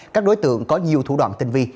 các đối tượng có nhiều thủ đoạn tình vi